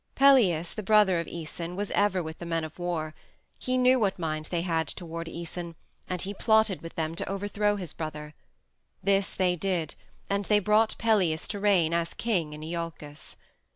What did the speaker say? Pelias, the brother of Æson, was ever with the men of war; he knew what mind they had toward Æson and he plotted with them to overthrow his brother. This they did, and they brought Pelias to reign as king in Iolcus.